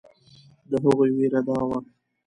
د هغوی وېره دا وه.